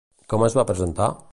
Com es va presentar?